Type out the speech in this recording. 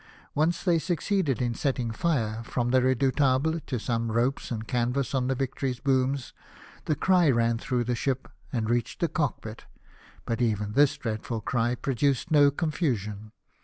Once they succeeded in setting fire, from the Redoubt able, to some ropes and canvas on the Victory s booms. The cry ran through the ship, and reached the cockpit, but even this dreadful cry produced no confusion.